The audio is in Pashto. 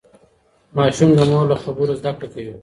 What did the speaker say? ماشوم د مور له خبرو زده کړه کوي.